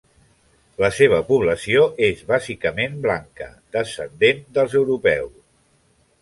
La seva població és bàsicament blanca, descendent dels europeus.